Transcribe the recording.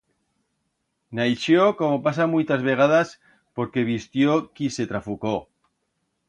Naixió, como pasa muitas vegadas, porque bi'stió qui se trafucó.